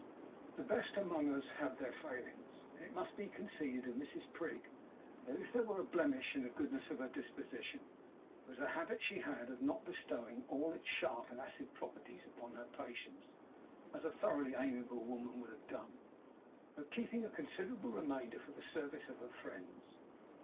The best among us have their failings, and it must be conceded of Mrs Prig, that if there were a blemish in the goodness of her disposition, it was a habit she had of not bestowing all its sharp and acid properties upon her patients (as a thoroughly amiable woman would have done), but of keeping a considerable remainder for the service of her friends.